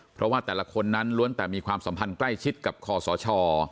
เพราะว่าแต่ละคนนั้นล้วนแต่มีความสัมพันธ์ใกล้ชิดกับคอสช